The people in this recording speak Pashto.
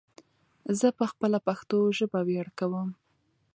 ځه په خپله پشتو ژبه ویاړ کوم